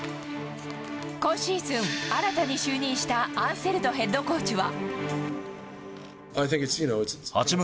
今シーズン、新たに就任したアンセルドヘッドコーチは。